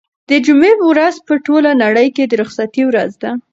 د جمعې ورځ په ټوله نړۍ کې د رخصتۍ ورځ ده.